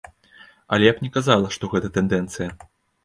Але я б не казала, што гэта тэндэнцыя.